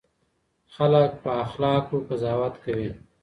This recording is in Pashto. خلک په اخلاقو قضاوت کوي.